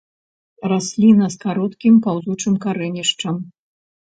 Расліна з кароткім, паўзучым карэнішчам.